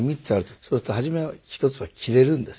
そうすると初めは１つは切れるんですよね。